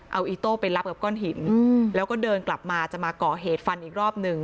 เอาอีโต้ไปรับกับก้อนหินแล้วก็เดินกลับมาจะมาก่อเหตุฟันอีกรอบหนึ่ง